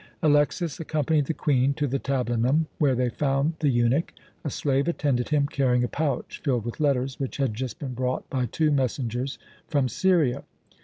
Alexas accompanied the Queen to the tablinum, where they found the eunuch. A slave attended him, carrying a pouch filled with letters which had just been brought by two messengers from Syria.